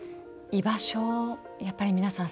居場所をやっぱり皆さん